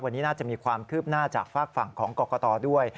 วันนี้น่าจะมีความคืบหน้าจากฝากฝั่งของกรกตด้วย